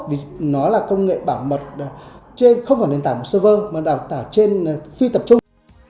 vì nó là công nghệ bảo mật trên không phải nền tảng server mà đào tạo trên phi tập trung